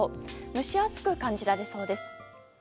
蒸し暑く感じられそうです。